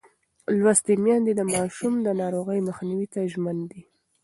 لوستې میندې د ماشوم د ناروغۍ مخنیوي ته ژمنه ده.